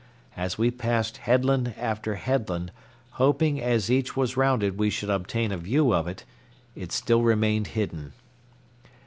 As we passed headland after headland, hoping as each was rounded we should obtain a view of it, it still remained hidden.